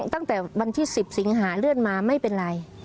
ตั้งแต่วันที่๑๐สิงหาเลื่อนมาไม่เป็นไร